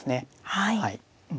はい。